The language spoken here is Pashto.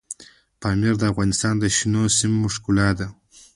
پامیر د افغانستان د شنو سیمو ښکلا ده.